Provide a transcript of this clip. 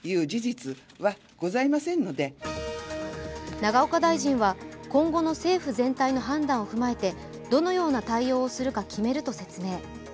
永岡大臣は今後の政府全体の判断を踏まえてどのような対応をするか決めると説明。